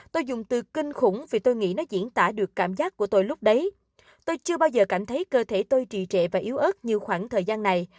tôi dùng từ kinh khủng vì tôi nghĩ nó diễn tả được cảm giác của tôi lúc đấy tôi chưa bao giờ cảm thấy cơ thể tôi trì trệ và yếu ớt như khoảng thời gian này